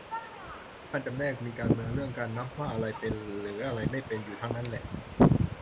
ทุกการจำแนก มีการเมืองเรื่องการนับว่าอะไรเป็นหรืออะไรไม่เป็นอยู่ทั้งนั้นแหละ